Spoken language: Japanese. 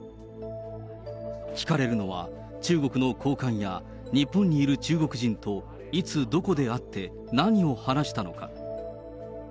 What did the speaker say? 聞かれるのは、中国の高官や日本にいる中国人といつどこで会って、何を話したのか。